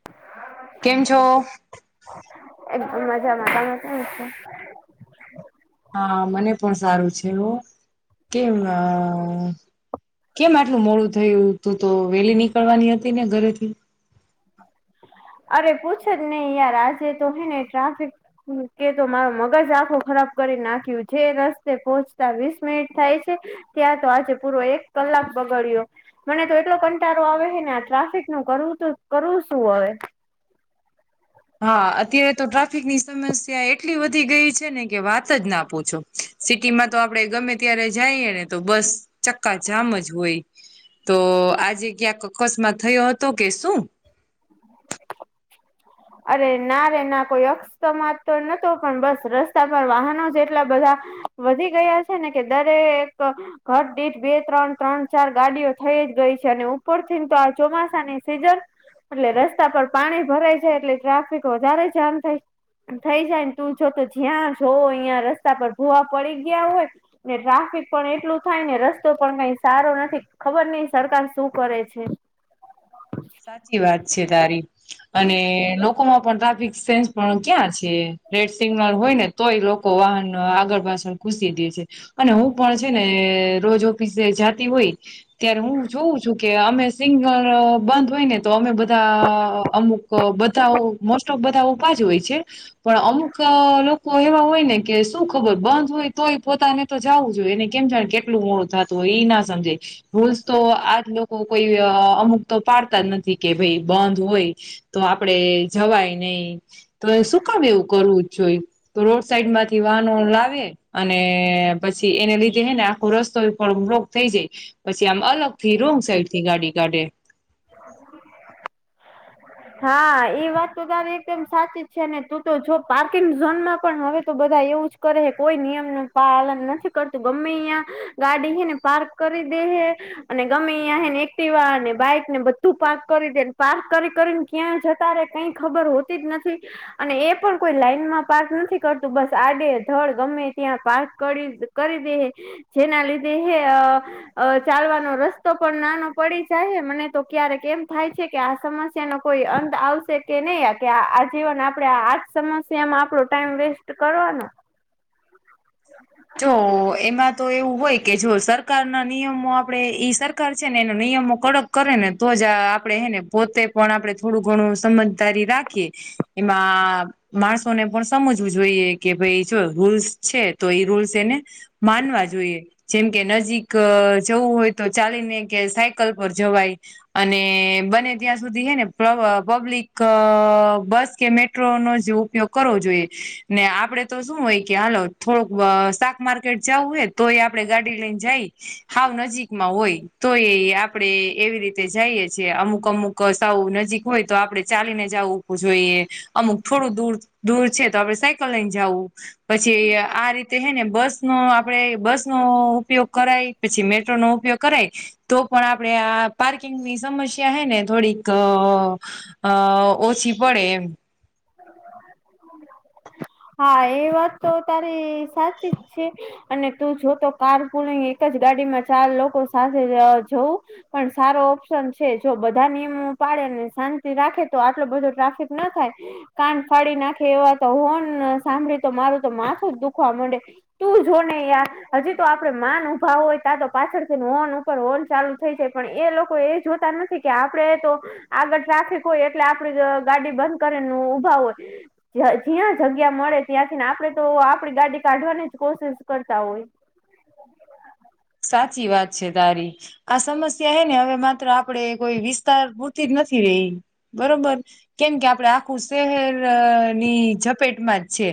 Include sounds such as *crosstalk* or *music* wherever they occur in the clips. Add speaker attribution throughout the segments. Speaker 1: *inaudible*
Speaker 2: કેમ છો?
Speaker 1: એકદમ મજામાં તમે કેમ છો?
Speaker 2: હા મને પણ સારું છે એવું કેમ અ. કેમ આટલું મોડું થયું તું તો વેલી નીકળવાની હતી ને ઘરેથી *unintelligible*
Speaker 1: અરે પૂછે જ નહી યાર આજે તો હે ને ટ્રાફિક કે તો મારો મગજ આંખો ખરાબ કરી નાખ્યું જે રસ્તે પોહોંચતા વીસ મિનિટ થાય છે. ત્યાં તો આજે પૂરો એક કલાક બગાડ્યો. મને તો એટલો કંટળો આવે છે ને આ ટ્રાફિક નું કરવું કરવું શું હવે
Speaker 2: હા અત્યારે તો ટ્રાફિક ની સમસ્યા એટલી વધી ગઈ છે ને કે વાત જ ના પૂછો. સિટી માં તો આપડે ગમે ત્યારે જઈએ ને તો બસ ચક્કા જામ જ હોય. તો આજે ક્યાંક અકસ્માત થયો હતો કે શું.
Speaker 1: અરે ના રે ના કોઈ અક્ષમા તો નતો પણ બસ રસ્તા પર વાહનો જેટલા બધા. વધી ગયા છે ને કે દરે એક ઘર દીઠ બે ત્રણ ત્રણ ચાર ગાડીઓ થઈ જ ગઈ છે અને ઉપર થી ને તો આ ચોમાસાની સિઝન એટલે રસ્તા પર પાણી ભરાય છે એટલે ટ્રાફિક વધારે જામ થાય. થઈ જાય ને તું જો તો જ્યાં જો અહિયાં રસ્તા પર ભોવા પડી ગયા હોય. ને ટ્રાફિક પણ એટલું થાય ને રસ્તો પણ કઈ સારો નથી ખબર નઈ સરકાર શું કરે છે.
Speaker 2: સાચી વાત છે તારી અને લોકોમાં પણ ટ્રાફિક સેન્સ પણ ક્યાં છે. રેડ સિગ્નલ હોય ને તોય લોકો વાહન આગળ પાછળ ઘૂસી દે છે. અને હું પણ છે ને રોજ ઓફિસે જાતી હોય. ત્યારે હું જોઉં છું કે અમે સિંગલ બંધ હોય ને તો અમે બધા અમુક બધા મોસ્ટ ઓફ બધા ઉભાજ હોય છે. પણ અમુક લોકો એવા હોય ને કે શું ખબર બંધ હોય તોય પોતાને તો જાવું જોઈએ એને કેમ જા કેટલું મોડું થતું હોય એ ના સમજાય રૂલ્સ તો આજ લોકો કોઈ અમુક તો પાડતા જ નથી કે ભાઈ બંધ હોય તો આપડે જવાય નહી તો શું કામ એવું કરવું જ જોઈ તો રોડ સાઈડ માંથી વાહનો લાવે અને પછી એને લીધે હે ને આખો રસ્તો પણ બ્લોક થઈ જાય પછી આમ અલગ થી રોંગ સાઈડ થી ગાડી કાઢે.
Speaker 1: *inaudible* હા, એ વાત તો તારી એકદમ સાચી જ છે ને, તું તો જો પાર્કિંગ ઝોનમાં પણ હવે તો બધા એવું જ કરે હે, કોઈ નિયમનું પાલન નથી કરતું. ગમે ન્યા ગાડી હે ને પાર્ક કરી દે હે અને ગમે યા હેને એક્ટિવા ને બાઈક ને બધું પાર્ક કરી દેને, પાર્ક કરી કરીન ક્યાં જતા રે કઈ ખબર હોતી જ નથી. અને એ પણ કોઈ લાઈનમાં પાર્ક નથી કરતું, બસ આડે ધડ ગમે ત્યાં પાક કરી કરી દે હે, જેના લીધે હે અ અ ચાલવાનો રસ્તો પણ નાનો પડી જાય, મને તો ક્યારેક એમ થાય છે કે આ સમસ્યાનો કોઈ અંત આવશે કે નઈ? કે આ આજીવન આપડે આજ સમસ્યામાં આપડો ટાઈમ વેસ્ટ કરવાનો.
Speaker 2: જો એમાં તો એવું હોય કે જો સરકારના નિયમો આપડે ઈ સરકાર છે ને એનો નિયમો કડક કરે ને તો જ આપડે હે ને પોતે પણ આપડે થોડું ઘણું સમજદારી રાખીએ એમાં માણસોને પણ સમજવું જોઈએ કે ભઈ જો રૂલ્સ છે તો ઈ રૂલ્સ સેને માનવા જોઈએ. જેમ કે નજીક જવું હોય તો ચાલીને કે સાયકલ પર જવાય અને બને ત્યાં સુધી હે ને પ્ર પબ્લિક બસ કે મેટ્રોનો જ ઉપ પયોગ કરવો જોઈએ, ને આપડે તો શું હોય કે હાલો થોડુક અ શાકમાર્કેટ જાવું હે તોય આપડે ગાડી લઈન જાઈ હાવ નજીકમાં હોય તો ઈ આપડે એવી રીતે જાઈએ છીએ, અમુક-અમુક સાવ નજીક હોય તો આપડે ચાલીને જાવુ ઉ જોઈએ, અમુક થોડું દૂર દૂર છે તો આપડે સાયકલ લઈન જાવું. પછી આ રીતે હે ને બસનો આપડે બસનો ઉપયોગ કરાય, પછી મેટ્રોનો ઉપયોગ કરાય તો પણ આપડે આ પાર્કિંગની સમસ્યા હે ને થોડીક અ ઓછી પડે એમ.
Speaker 1: હા, એ વાત તો તારી સાચી જ છે. અને તું જો તો કાર કુલીગ એક જ ગાડીમાં ચાર લોકો સાથે જવું પણ સારો ઓપ્શન છે, જો બધા નિયમો પાડેને, શાંતિ રાખે તો આટલો બધો ટ્રાફિક ન થાય. કાન ફાડી નાખે એવા તો હોન સાંભળી તો મારું તો માથું દુખવા મડે. તું જો ને યાર, હજી તો આપડે માન ઉભા હોય, તા તો પાછળથી હોનું પર હોન ચાલુ થઈ જાય, પણ એ લોકો એ જોતા નથી કે આપડે તો આગળ ટ્રાફિક હોય એટલે આપડી ગાડી બંધ કરી ઊભા હોય. જ જ્યા જગ્યા મળે ત્યાંથીન આપડે તો આપડી ગાડી કાઢવાની જ કોશિશ કરતા હોય.
Speaker 2: સાચી વાત છે, તારી. આ સમસ્યા હે ને હવે માત્ર આપડે કોઈ વિસ્તાર પૂરતી જ નથી રહી બરોબર, કેમ કે આપડે આખું શહેરની ઝપેટમાં જ છે.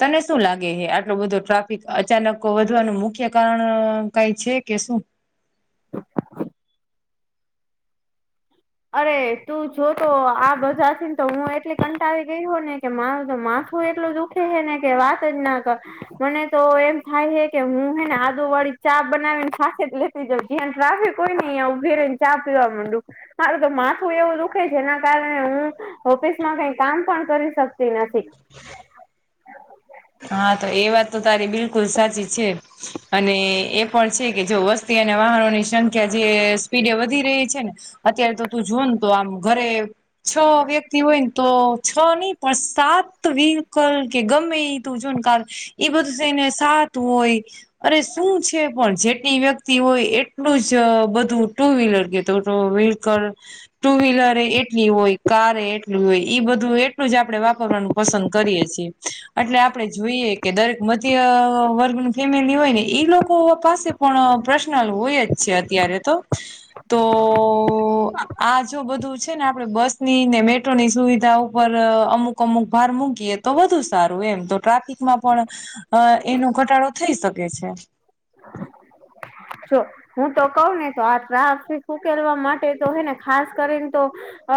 Speaker 2: તને શું લાગે હે? આટલો બધો ટ્રાફિક અચાનક વધવાનું મુખ્ય કારણ કાંઈ છે કે શું?
Speaker 1: અરે, તું જોતો આ બધાથીન તો હું એટલી કંટાળી ગઈ હુ ને કે મારું તો માથું એટલુ દુ ખે હે ને કે વાત જ ના કર. મને તો એમ થાય હે કે હું હેને આદુવાળી ચા બનાવી ન સાથે જ લે તી જવ, જ્યાં ટ્રાફિક હોયને ન્યા ઉભી રઈન ચા પીવા મંડુ. મારું તો માથું એવું દુખે જેના કારણે હું ઓફિસમાં કાંઈ કામ પણ કરી શકતી નથી.
Speaker 2: હા, તો એ વાત તો તારી બિલકુલ સાચી છે. અને એ પણ છે કે જો વસ્તી અને વાહનોની સંખ્યા જે સ્પીડે વધી રહી છે ને અત્યારે તો તું જોઉ ન તો આમ ઘરે છ વ્યક્તિ હોયન તો છ ની પણ સાત વ્હીકલ કે ગમે ઈ તુ જોન કાળ ઈ બધું થઈને સાત હોય અરે શું છે પણ જેટલી વ્યક્તિ હોય એટલું જ બધું ટુ વ્હીલર કે તો ટુ વ્હી કલ ટુ વ્હીલરય એટલી હોય, કારય એટલી હોય ઈ બધું એટલું જ આપડે વાપરવાનું પસંદ કરીએ છીએ. એટલે આપ. જોઈએ કે દરેક મધ્ય વર્ગનું ફેમિલી હોય ને ઈ લોકો પાસે. પણ પ્રશ્નલ હોય જ છે અત્યારે તો. તો આ જો બધું છે ને આપડે બસની ને મેટ. ની સુવિધા ઉપર અમુક અમુક ભાર મૂકીએ તો વધુ સારું એમ તો. ટ્રાફિકમાં પણ એનો ઘટાડો થઈ શકે છે.
Speaker 1: જો. હું તો કઉ ને તો આ ટ્રાફિક ઉકેલવા માટે તો હે ને ખાસ કરીને તો.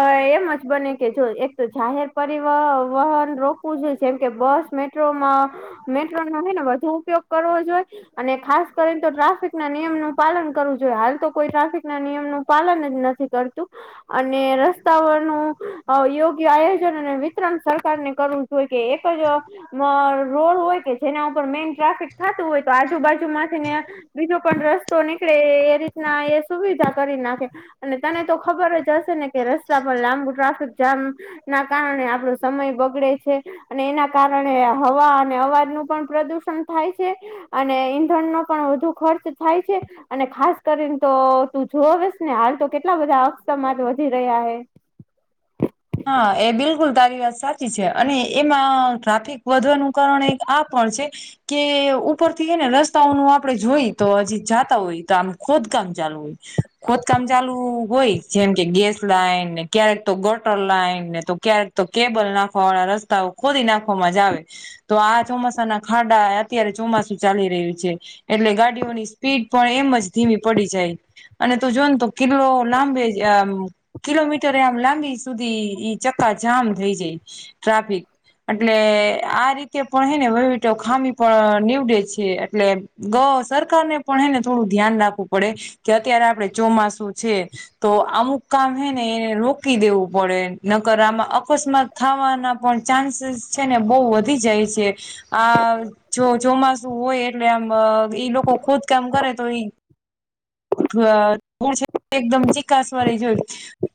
Speaker 1: અ એમ જ બને કે જો એક તો જાહેર પરિવ વહન રોકવું જોઈએ જેમ કે બસ મેટ. મેટ્રોમાં મેટ્રો નો હેને વધુ ઉપયોગ કરવો જોઈ. અને ખાસ કરીને તો ટ્રાફિક ના નિયમ નું પાલન કરવું જોઈએ હાલ તો કોઈ ટ્રાફિક ના નિયમ નું પાલન જ નથી. કરતું. અને રસ્તાઓ નું યોગ્ય આયોજન અને વિતરણ સરકારને કરું. હોય કે એક જ રોડ હોય કે જેના ઉપર મેઈન ટ્રાફિક થતું હોય તો આજે. આજુ બાજુ માંથી ને બીજો પણ રસ્તો નીકળે એ રીતના એ સુવિધા કરી નાખે. અને તને તો ખબર જ હશે ને કે રસ્તા પર લાંબુ ટ્રાફિક જામ. ના કારણે આપણો સમય બગડે છે. અને એના કારણે હવા અને અવાજ નું પણ પ્રદુષણ થાય છે. અને ઈંધણનો પણ વધુ ખર્ચ થાય છે. અને ખાસ કરીને તો તું જોવેસે ને હાલ તો કેટલા બધા અકસ્માત વધી રહ્યા હૈ.
Speaker 2: હા એ બિલકુલ તારી વાત સાચી છે અને એમાં ટ્રાફિક વધવાનું કારણ એક આ પણ છે. કે ઉપરથી હે ને રસ્તાઓનું આપડે જોઈ તો હજી જાતા હોય તો આમ ખોદકામ ચાલુ હોય. ખોદકામ ચાલુ હોય જેમ કે ગેસ લાઈનને ક્યારેક તો ગ. ગટર લાઈન ને તો ક્યારેક તો કેબલ નાખવા વાળા રસ્તાઓ ખોદી નાખવામાં જ આવે. તો આ ચોમાસાના ખાડા અત્યારે ચોમાસું ચાલી રહ્યું છે. એટલે ગાડીઓની સ્પીડ પણ એમ જ ધીમી પડી જાય. અને તું જો ને તો કિલો લાંબે કિલોમીટર આમ. લાંબી સુધી ઈ ચક્કા જામ થઇ જાય ટ્રાફિક. એટલે આ રીતે પણ હે ને વહીવટો ખામી. પણ નીવડે છે એટલે ગ સરકાર ને પણ હેને થોડું ધ્યાન રાખવું પડે. કે અત્યારે આપડે ચોમાસું છે તો અમુક કામ હે ને એને રોકી દેવું. પડે નકર આમાં અકસ્માત થાવાના પણ ચાન્સીસ છે ને બહુ વધી જાય છે. આ જો ચોમાસું હોય એટલે આમ ઈ લોકો ખોદકામ કરે તો ઈ. ધૂળ છે એકદમ ચીકાસ વાળી જ હોય.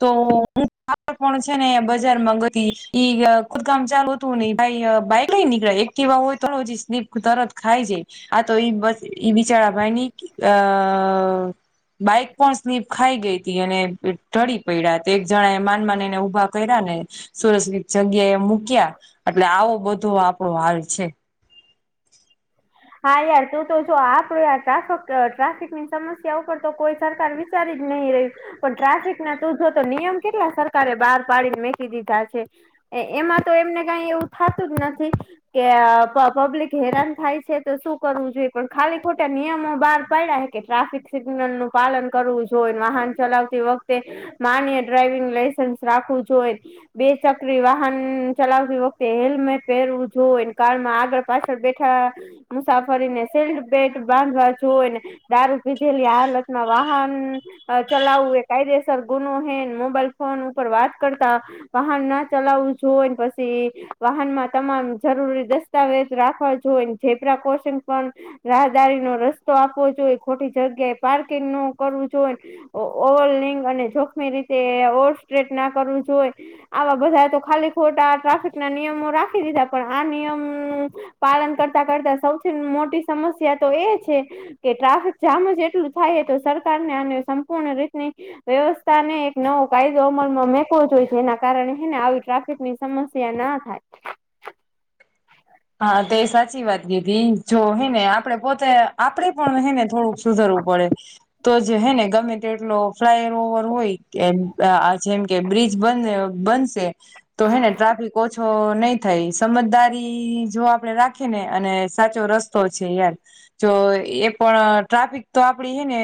Speaker 2: તો હું કાલ પણ છે ને આયા બજારમાં ગઈતી ઈ ખુદકામ ચાલુ હત. ન ભાઈ બાઈક લઈને નીકળ્યા એક્ટીવા હોય તો હાલો હજી સ્લીપ તરત ખાઈ જાય. આ તો ઈ બસ ઈ બિચારા ભાઈ ની અ. બાઈક પણ સ્લિપ ખાઈ ગઈ હતી અને ઢળી પડ્યા. તે એક જણા એ માન માન ઉભા કર્યા ને. સુરક્ષિત જગ્યા એ મૂક્યા એટલે આવો બધો આપણો હાલ છે. *inaudible*
Speaker 1: હા યાર તું તો જો આપડે આ ટ્રાફક ટ્રાફિક ની સમસ્યા ઉપર તો કોઈ સરકાર. વિચારી જ નહી રહી હોય. પણ ટ્રાફિક ના તું જો તો નિયમ કેટલા સરકારે બહાર પાડીને મેકી દીધા છે. એમાં તો એમને કઈ એવું થતું જ નથી કે પબ્લિક હેરાન થાય છે. શું કરવું જોઈએ પણ ખાલી ખોટા નિયમો બહાર પાડ્યા હે કે ટ્રાફિક સિગ્નલ નું. પાલન કરવું જોઈને વાહન ચલાવતી વખતે. માન્ય ડ્રાઈવિંગ લાઈસન્સ રાખવું જોઈ. બે ચકરી વાહન ચલાવતી વખતે હેલ્મેટ પહેરવું જો કારમાં આગળ. પાછળ બેઠા મુસાફરીને સીટ બેલ્ટ બાંધવા જોઈને. દારૂ પીધેલી હાલતમાં વાહન ચલાવવું એ કાયદેસર ગુનો હેન મોબાઈલ ફોન ઉપર વાત કરતા વાહન ના ચલાવવું જો પછી વાહનમાં તમામ જરૂરી દસ્ સ્તાવેજ રાખવા જો ઝેબ્રા કોશન પણ, રાહદારી નો રસ્તો આપવો જોઈએ, ખોટી જગ્યાએ પાર્કિંગ નો કરવું જોઈ, ઓવ લિંગ અને જોખમી રીતે ઓર સ્ટ્રેટ ના કરવું જોઈ, આવા બધા તો ખાલી ખોટા ટ્રાફિક ના નિયમો રાખી દીધા પણ આ નિયમ, પાલન કરતા કરતા સૌથી મોટી સમસ્યા તો એ છે. કે ટ્રાફિક જામ જ એટલું થાય તો સરકાર ને આને સંપૂર્ણ રીતની, વ્યવસ્થા ને એક નવો કાયદો અમલમાં મેકવો જોઈ એના કારણે હને આવી ટ્રાફિકની સ સમસ્યા ના થાય.
Speaker 2: હા તે એ સાચી વાત કીધી જો હેને આપડે પોતે આપડે પણ હેને થોડુંક સુધરવું પડે. તો જે હે ને ગમે તે એટલો ફ્લાય ઓવર હોય કે આ જેમ, કે બ્રિજ બને બનશે. તો હેને ટ્રાફિક ઓછો નહી થાય સમજદારી, જો આપડે રાખી ને અને સાચો રસ્તો છે યાર, જો એ પણ ટ્રાફિક તો આપડી હે ને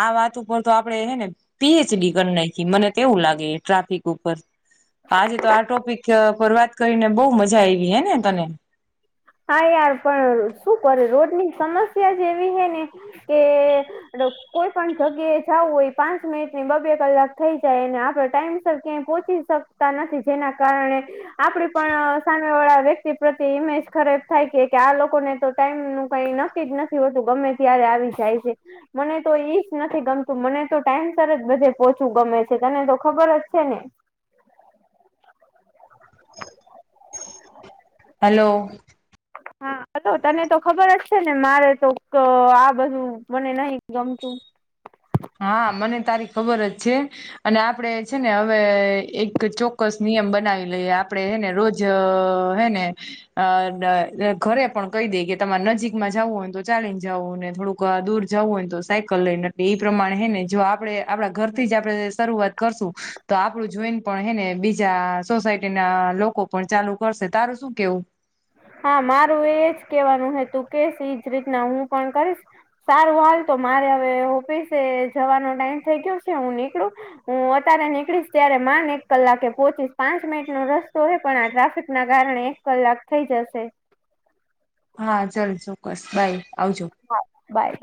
Speaker 2: આ વાત ઉપર તો આપડે હે ને, પીએચડી કર નાખી મને તેવું લાગે ટ્રાફિક ઉપર, આજે તો આ ટોપિક પર વાત કરીને બહુ મજા આવી હે ને તને.
Speaker 1: હા યાર પણ શું કરે રોડ ની સમસ્યા જ એવી હૈ ને કે, કોઈ પણ જગ્યા એ જવું હોય પાંચ મિનિટ ની બ બે કલાક થઈ જાયને, આપડે ટાઈમ સર ક્યાં પોહોચી જ, સકતા નથી જેના કારણે આપડી પણ સામે વાળા વ્યક્તિ પ્રત્યે ઇમેજ, ખરેબ થાય કે કે આ લોકોને તો ટાઈમ નું કઈ નક્કી જ નથી હોતું ગમે ત્યારે આવી જાય છે. મને તો ઈ જ નથી ગમતું મને તો ટાઈમ સર જ બધે પોહચવું ગમે છે, તને તો ખબર જ છે ને,
Speaker 2: હલો, હ,
Speaker 1: તો તને તો ખબર જ છે ને મારે તો આ બધું મને નહી ગમતું.
Speaker 2: હા મને તારી ખબર જ છે. અને આપડે છે ને હવે એક ચોક્કસ નિયમ બનાવી લઈએ આપણેે હે ને રોજ, જ હે ને, અ ઘરે પણ કહી દે કે તમારે નજીકમાં જવું હોય ને તો ચાલીને જવું ને થોડુંક, દૂર જવું હોયને તો સાયકલ લઈ ને, એ પ્રમાણે હે ને જો આપડણે આપણા ઘરથી જ આપણે શરૂઆત કરશું તો આપણું જોઈન, પણ હેને બીજા સોસાયટી ના લોકો પણ ચાલુ કરશે તારું શું કેવું.
Speaker 1: હા મારું એજ કેવાનું હે તું કેશ એજ રીતના હું પણ કરીશ. સારું હાલ તો મારે હવે ઓફિસે જવાનો ટાઈમ થઈ ગયો છે હું નીકળું. હું અત્યારે નીકળીશ ત્યારે માન એક કલાકે પોહોંચીશ પાંચ મિનિટ નો રસ્તો હય પણ આ ટ્રાફિક ના કારણે, કલાક થઇ જશે.
Speaker 2: હા ચાલ ચોક્કસ બાય આવજો.
Speaker 1: હા બાય.